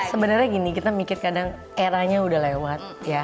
sebenarnya gini kita mikir kadang eranya udah lewat ya